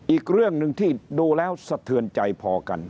อีกเรื่องหนึ่งที่ดูแล้วสะเทือนใจพอกัน